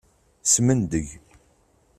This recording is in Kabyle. Smendeg.